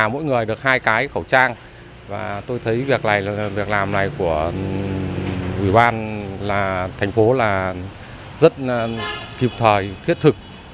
mời được hai cái khẩu trang và tôi thấy việc làm này của ủy ban là thành phố là rất kịp thời thiết thực